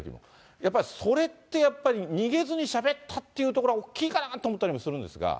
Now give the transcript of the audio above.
やっぱ、それってやっぱり、逃げずにしゃべったというところは大きいかなと思ったりもするんですが。